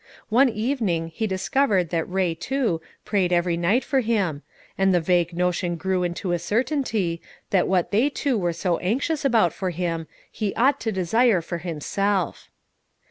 One evening he discovered that Ray, too, prayed every night for him, and the vague notion grew into a certainty, that what they two were so anxious about for him, he ought to desire for himself.